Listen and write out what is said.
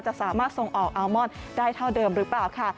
จะสามารถส่งออกอัลมอนได้เท่าเดิมหรือเปล่าค่ะ